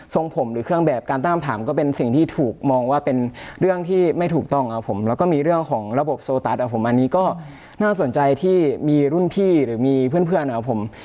ทรงผมหรือก็เป็นสิ่งที่ถูกมองว่าเป็นเรื่องที่ไม่ถูกต้องแล้วก็มีเรื่องของระบบโซตัสอันนี้ก็น่าสนใจที่มีรุ่นพี่หรือมีเพื่อนอ่ะผม